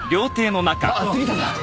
あっ杉下さん！